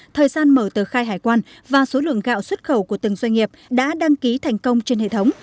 thời gian mở tờ khai hải quan và số lượng gạo xuất khẩu của từng doanh nghiệp đã đăng ký thành công trên hệ thống